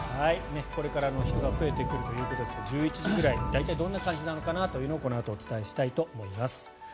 これから人が増えてくるということですが１１時ぐらい大体どんな感じなのかなというのをこのあとお伝えしたいと思います。